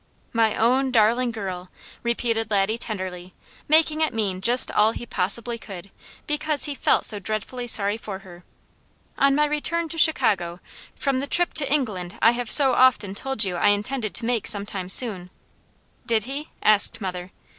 "'My own darling Girl:'" repeated Laddie tenderly, making it mean just all he possibly could, because he felt so dreadfully sorry for her "'On my return to Chicago, from the trip to England I have so often told you I intended to make some time soon '" "Did he?" asked mother.